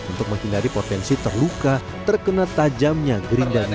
untuk menghindari potensi terluka terkena tajamnya gerindangan